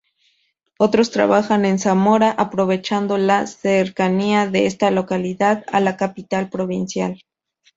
Otros trabajan en Zamora, aprovechando la cercanía de esta localidad a la capital provincial.